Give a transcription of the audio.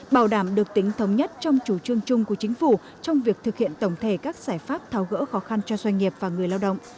bảo đảm được tính thống nhất trong chủ trương chung của chính phủ trong việc thực hiện tổng thể các giải pháp tháo gỡ khó khăn cho doanh nghiệp và người lao động